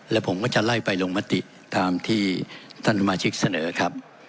และผมก็จะไล่ไปลงมติตามที่ท่านสมาชิกเสนอครับ